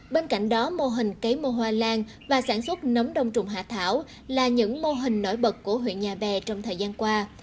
bên cạnh đó mô hình cấy mô hoa lan và sản xuất nấm đông trùng hạ thảo là những mô hình nổi bật của huyện nhà bè trong thời gian qua